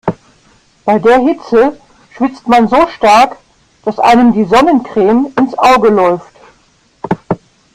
Bei der Hitze schwitzt man so stark, dass einem die Sonnencreme ins Auge läuft.